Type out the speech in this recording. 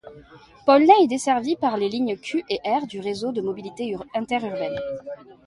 Paulnay est desservie par les lignes Q et R du Réseau de mobilité interurbaine.